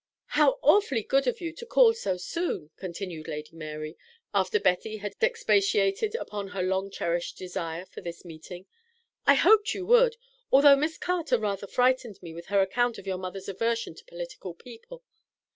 "How awfully good of you to call so soon!" continued Lady Mary, after Betty had expatiated upon her long cherished desire for this meeting. "I hoped you would, although Miss Carter rather frightened me with her account of your mother's aversion to political people.